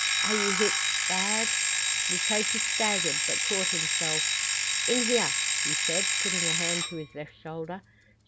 "Are you hit bad?" Mukoki staggered, but caught himself. "In here," he said, putting a hand to his left shoulder.